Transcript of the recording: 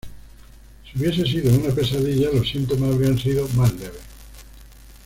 Si hubiese sido una pesadilla los síntomas habrían sido más leves.